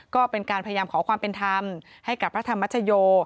ก็เป็นการพยายามขอความเป็นธรรมให้กับพระธรรมชโย